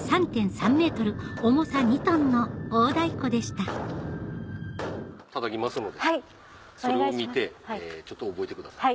３ｍ重さ２ｔの大太鼓でしたたたきますのでそれを見て覚えてください。